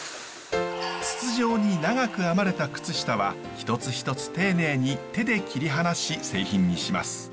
筒状に長く編まれた靴下は一つ一つ丁寧に手で切り離し製品にします。